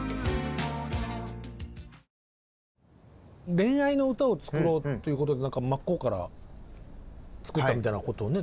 恋愛の歌を作ろうということで真っ向から作ったみたいなことをね。